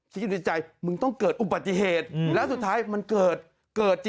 คิดอยู่ในใจมึงต้องเกิดอุบัติเหตุแล้วสุดท้ายมันเกิดเกิดจริง